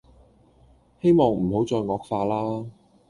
希望唔好再惡化啦